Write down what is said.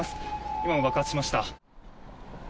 今も爆発しました。